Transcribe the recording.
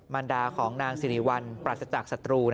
มันดาของนางสิริวัลปรัสจากศัตรู